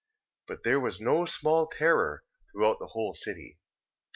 But there was no small terror throughout the whole city.